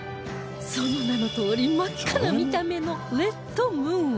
その名のとおり真っ赤な見た目のレッドムーン